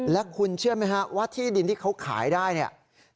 และคุณเชื่อไหมฮะว่าที่ดินที่เขาขายได้เนี่ย